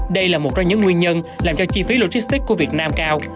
đây là một trong những nguyên nhân làm cho chi phí logistics của việt nam cao